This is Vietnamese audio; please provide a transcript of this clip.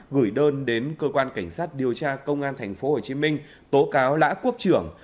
gửi đơn đến cơ quan cảnh sát điều tra công an thành phố hồ chí minh tố cáo lã quốc trưởng